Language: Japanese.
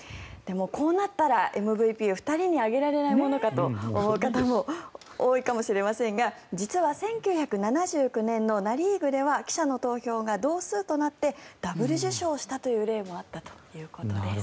こうなったらＭＶＰを２人にあげられないかと思う方も多いかもしれませんが実は１９７９年のナ・リーグでは記者の投票が同数となってダブル受賞したこともあったということです。